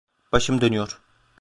Başım dönüyor.